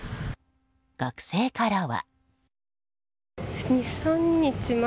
学生からは。